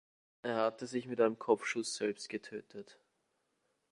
Er hatte sich mit einem Kopfschuss selbst getötet.